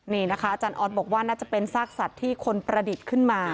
นี่นะคะอาจารย์ออสบอกว่าน่าจะเป็นซากสัตว์ที่คนประดิษฐ์ขึ้นมา